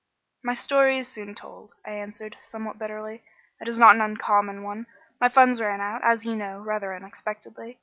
"My story is soon told," I answered, somewhat bitterly. "It is not an uncommon one. My funds ran out, as you know, rather unexpectedly.